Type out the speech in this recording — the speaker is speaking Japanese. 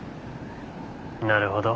なるほど。